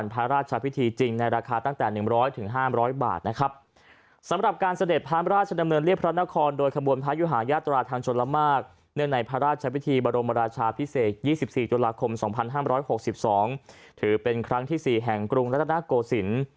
ในการพระราชเชียงพิธีบรมราชาพิเศษ